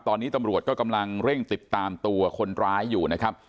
ตอนนี้ตำรวจก็กำลังเร่งติดตามตัวคนร้ายอยู่นะครับ